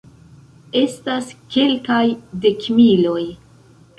Estas kelkaj dekmiloj.